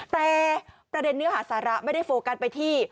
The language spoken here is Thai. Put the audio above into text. แต่ประเด็นเนื้อหาสาระไม่ได้โฟกัสไปที่